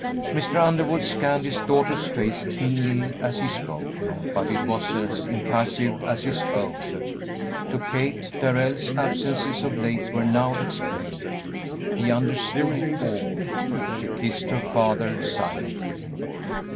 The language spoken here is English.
Mr. Underwood scanned his daughter's face keenly as he spoke, but it was as impassive as his own. To Kate, Darrell's absences of late were now explained; he understood it all. She kissed her father silently.